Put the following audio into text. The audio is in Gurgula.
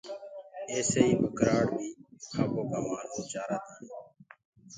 ايسي ئيٚ ٻڪرآڙ بي آپوڪآ مآلوُ چآرآ تآڻي